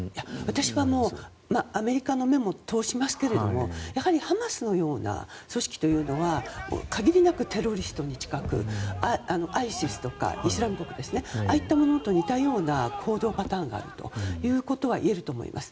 私は、アメリカの目も通しますがハマスのような組織は限りなくテロリストに近くＩＳＩＳ、イスラム国ですね。ああいうものと似たような行動パターンがあるということは言えると思います。